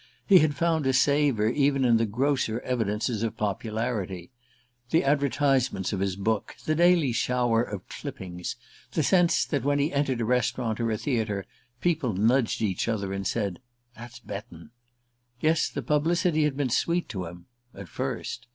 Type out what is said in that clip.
He had found a savour even in the grosser evidences of popularity: the advertisements of his book, the daily shower of "clippings," the sense that, when he entered a restaurant or a theatre, people nudged each other and said "That's Betton." Yes, the publicity had been sweet to him at first.